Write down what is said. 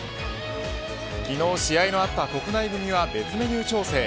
昨日試合のあった国内組は別メニュー調整。